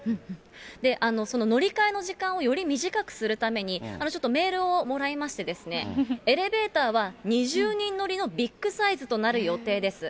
その乗り換えの時間をより短くするために、ちょっとメールをもらいましてですね、エレベーターは２０人乗りのビッグサイズとなる予定です。